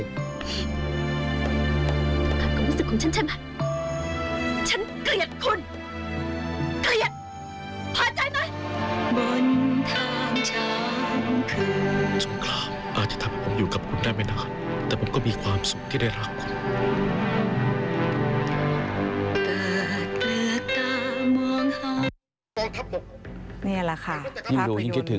คิดใจเห็นอาสุมความรู้สึกของฉันใช่ไหม